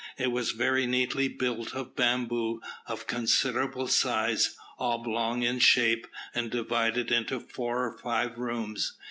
It was very neatly built of bamboo, of considerable size, oblong in shape, and divided into four or five rooms.